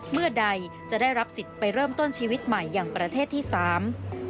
เมื่อใดจะได้รับสิทธิ์ไปเริ่มต้นชีวิตใหม่อย่างประเทศที่สาม